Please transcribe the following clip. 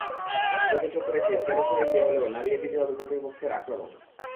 চোখে চোখ রেখে, তেড়েফুঁড়ে গিয়ে হলেও নাড়িয়ে দিতে হবে প্রতিপেক্ষর আক্রমণ।